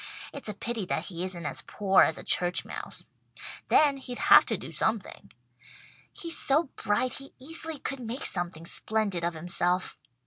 It's a pity that he isn't as poor as a church mouse. Then he'd have to do something. He's so bright he easily could make something splendid of himself.